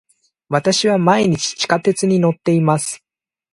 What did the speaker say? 私は毎日地下鉄に乗っています。